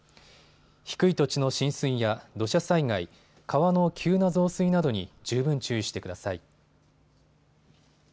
低い土地の浸水や土砂災害、川の急な増水などに十分注意してください。